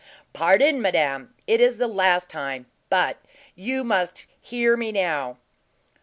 "Pardon, madame; it is the last time. But you must hear me now."